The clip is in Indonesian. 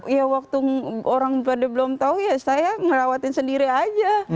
ya waktu orang pada belum tahu ya saya ngerawatin sendiri aja